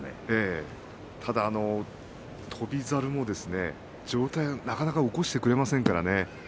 ただ翔猿も上体なかなか起こしてくれませんからね。